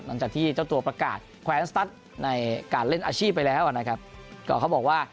หลังจากที่เจ้าตัวประกาศแควนสตัสในการเล่นอาชีพไปแล้วอ่ะนะครับก็เขาบอกว่า